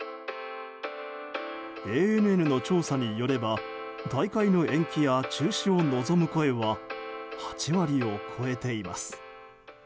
ＡＮＮの調査によれば大会の延期や中止を望む声は８割を超えています。